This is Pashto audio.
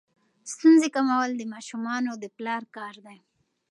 ستونزې کمول د ماشومانو د پلار کار دی.